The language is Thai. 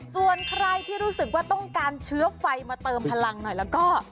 ส่วนใครที่รู้สึกว่าต้องการเชื้อไฟมาเติมพลังหน่อยแล้วก็